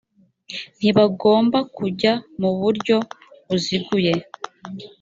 ntibagomba kujya mu buryo buziguye